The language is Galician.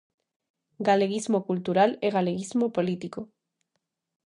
Galeguismo cultural e galeguismo político.